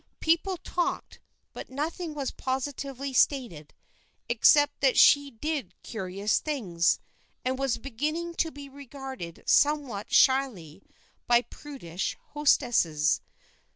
People talked, but nothing was positively stated, except that she did curious things, and was beginning to be regarded somewhat shyly by prudish hostesses.